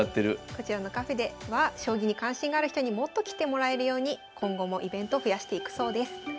こちらのカフェでは将棋に関心がある人にもっと来てもらえるように今後もイベント増やしていくそうです。